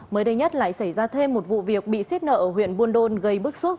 mới đây nhất lại xảy ra thêm một vụ việc bị xiết nợ ở huyện buôn đôn gây bức xúc